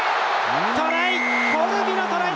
トライ！